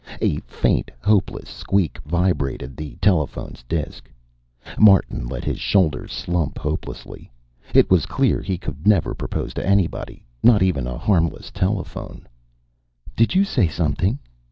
A faint, hopeless squeak vibrated the telephone's disk. Martin let his shoulders slump hopelessly. It was clear he could never propose to anybody, not even a harmless telephone. "Did you say something?"